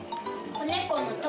子猫の時。